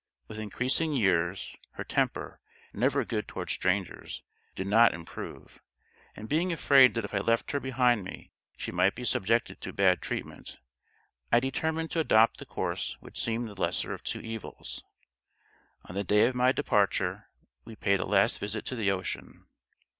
With increasing years, her temper, never good towards strangers, did not improve, and being afraid that if I left her behind me she might be subjected to bad treatment, I determined to adopt the course which seemed the lesser of two evils. On the day of my departure, we paid a last visit to the ocean.